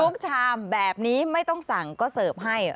ชามแบบนี้ไม่ต้องสั่งก็เสิร์ฟให้